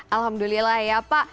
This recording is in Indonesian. alhamdulillah ya pak